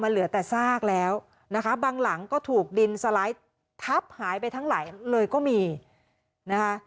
เหลือแต่ซากแล้วนะคะบางหลังก็ถูกดินสไลด์ทับหายไปทั้งหลายเลยก็มีนะคะ